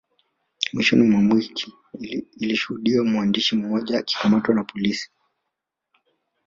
Mwishoni mwa wiki ilishuhudiwa mwandishi mmoja akikamatwa na polisi